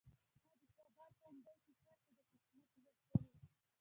ما د سبا تندی کې کرښې د قسمت لوستلي